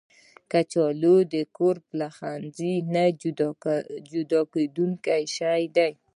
کچالو د کور پخلنځي نه جدا کېدونکی شی دی